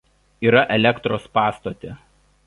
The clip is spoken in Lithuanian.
Yra elektros pastotė.